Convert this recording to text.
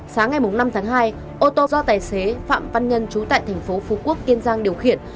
sáng ngày năm tháng hai ô tô do tài xế phạm văn nhân trú tại thành phố phú quốc kiên giang điều khiển